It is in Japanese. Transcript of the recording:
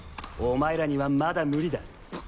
お前らにはまだムリだ。